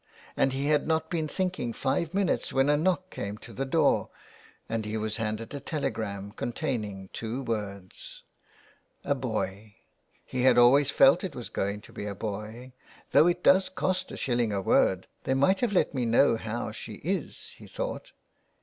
And he had not been thinking five minutes when a knock came to the door, and he was handed a telegram containing two words :'^ A boy." He had always felt it was going to be a boy. '' Though it does cost a shilling a word they might have let me know how she is," he thought.